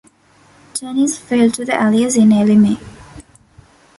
Tunis fell to the Allies in early May.